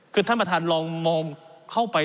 คือท่านประธานลองมองเข้าไป